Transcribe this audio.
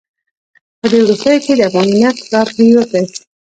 په دې وروستیو کې د افغانۍ نرخ راپریوتی.